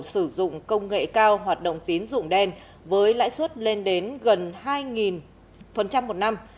sử dụng công nghệ cao hoạt động tín dụng đen với lãi suất lên đến gần hai một năm